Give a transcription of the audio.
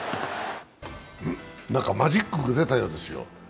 マジックが出たようですよ。